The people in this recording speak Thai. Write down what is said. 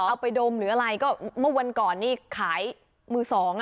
เอาไปดมหรืออะไรก็เมื่อวันก่อนนี่ขายมือสองอ่ะ